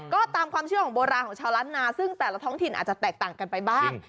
ก็ตามความเชื่อของโบราณของชาวล้านนาซึ่งแต่ละท้องถิ่นอาจจะแตกต่างกันไปบ้าง